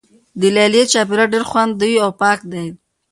د لیلیې چاپیریال ډیر خوندي او پاک دی.